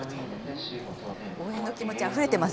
応援の気持ち、あふれてます